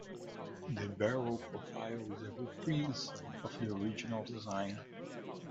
The barrel profile is a reprise of the original design.